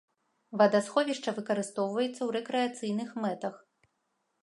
Вадасховішча выкарыстоўваецца ў рэкрэацыйных мэтах.